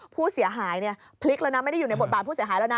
ผู้เสียหายเนี่ยพลิกแล้วนะไม่ได้อยู่ในบทบาทผู้เสียหายแล้วนะ